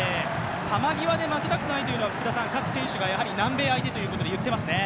球際で負けたくないというのは各選手が南米相手に言っていますね。